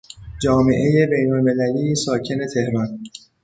جامعهی بینالمللی ساکن تهران